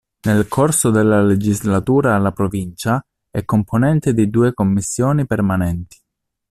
Nel corso della legislatura alla Provincia, è componente di due Commissioni permanenti.